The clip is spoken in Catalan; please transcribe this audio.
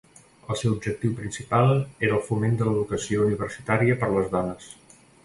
El seu objectiu principal era el foment de l'educació universitària per a les dones.